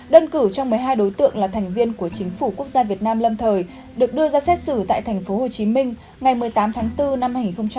đơn cử trong một mươi hai đối tượng là thành viên của chính phủ quốc gia việt nam lâm thời được đưa ra xét xử tại tp hcm ngày một mươi tám tháng bốn năm hai nghìn hai mươi